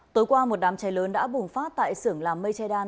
tối qua một đám chai lớn đã bùng phát tại sưởng làm mây chai đan